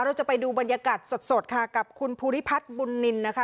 เราจะไปดูบรรยากาศสดค่ะกับคุณภูริพัฒน์บุญนินนะคะ